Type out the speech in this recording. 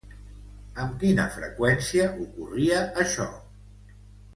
Amb quina freqüència ocorria això?